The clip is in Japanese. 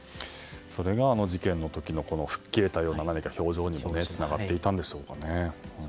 それが、あの事件の時の吹っ切れたような表情にもつながっていたんでしょうかね。